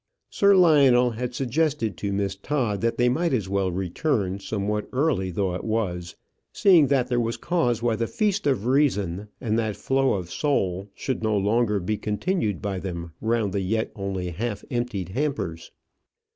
Sir Lionel had suggested to Miss Todd that they might as well return, somewhat early though it was, seeing that there was cause why that feast of reason and that flow of soul should no longer be continued by them round the yet only half emptied hampers.